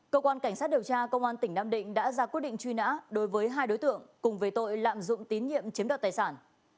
cơ quan cảnh sát điều tra công an tỉnh nam định đã ra quyết định truy nã đối với hai đối tượng cùng về tội lạm dụng tín nhiệm chiếm đoạt tài sản